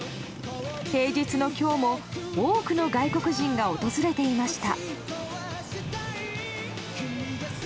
平日の今日も多くの外国人が訪れていました。